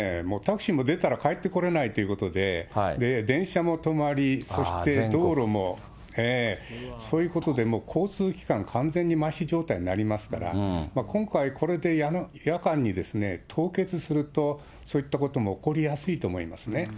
もうタクシーも出たら帰ってこれないということで、電車も止まり、そして道路も、そういうことで、もう交通機関、完全にまひ状態になりますから、今回、これで夜間に凍結すると、そういったことも起こりやすいと思いますね。